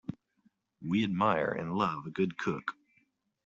We admire and love a good cook.